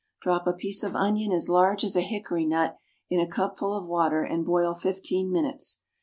Drop a piece of onion as large as a hickory nut in a cupful of water and boil fifteen minutes.